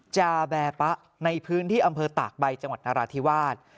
จาแบปะในพื้นที่อำเภอตากใบจังหวัดนราธิวาส